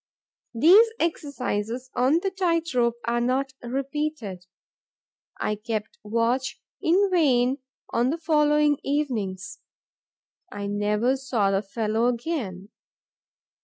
These exercises on the tight rope are not repeated. I kept watch in vain on the following evenings: I never saw the fellow again.